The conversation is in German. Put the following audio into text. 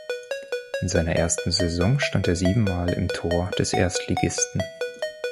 In seiner ersten Saison stand er siebenmal im Tor des Erstligisten.